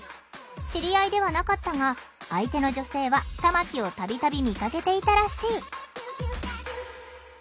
知り合いではなかったが相手の女性は玉木を度々見かけていたらしい。